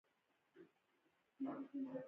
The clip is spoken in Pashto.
موټر د دوړو نه ژغورل پکار دي.